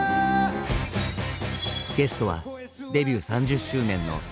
ゲストはデビュー３０周年の斉藤和義。